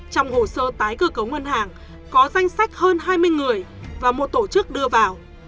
trong hồ sơ tái cơ cấu ngân hàng có danh sách hơn hai mươi người và một tổ chức đưa vào